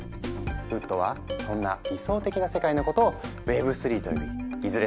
ウッドはそんな理想的な世界のことを「Ｗｅｂ３」と呼びいずれ